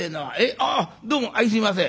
ああどうもあいすいません。